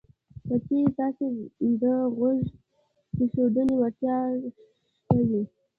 که چېرې تاسې کې د غوږ ایښودنې وړتیا شته وي